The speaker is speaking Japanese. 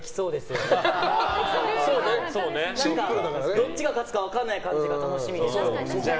どっちが勝つか分からない感じが楽しみです。